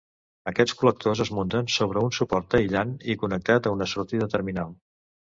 Aquests col·lectors es munten sobre un suport aïllant i connectat a una sortida terminal.